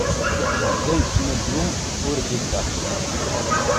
Yebda yettnudum ur d-ifaq